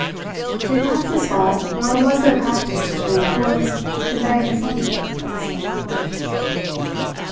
They passed the spot where it was their practice to turn towards the barren summit of the central hill.